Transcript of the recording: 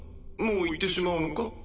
もう行ってしまうのか？